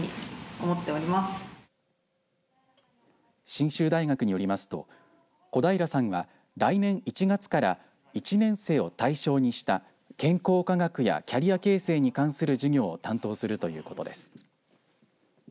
信州大学によりますと小平さんは来年１月から１年生を対象にした健康科学やキャリア形成に関する授業を担当するということです。